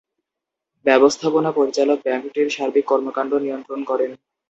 ব্যবস্থাপনা পরিচালক ব্যাংকটির সার্বিক কর্মকাণ্ড নিয়ন্ত্রণ করেন।